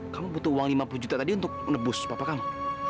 kamu butuh uang lima puluh juta tadi untuk nebus papa kamu